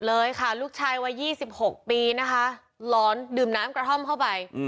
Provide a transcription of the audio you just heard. ลูกชายวัย๒๖ปีนะคะร้อนดื่มน้ำกระท่อมเข้าไป